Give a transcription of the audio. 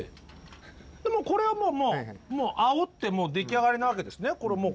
これはもうあおって出来上がりなわけですね。